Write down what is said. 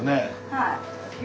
はい。